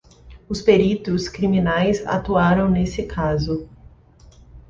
Os peritos criminais atuaram nesse caso.